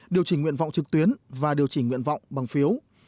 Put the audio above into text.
điều chỉnh nguyện vọng trực tuyến và điều chỉnh nguyện vọng bằng phiếu